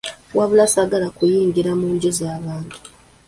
wabula saagala kuyingira mu nju za bantu.